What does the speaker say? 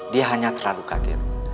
dia hanya terlalu kaget